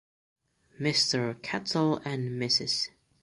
Mister Kettle and Mrs.